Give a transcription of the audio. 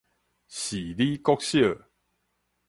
蒔裡國小